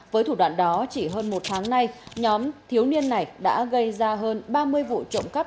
với thủ đoạn đó chỉ hơn một tháng nay nhóm thiếu niên này đã gây ra hơn ba mươi vụ trộm cắp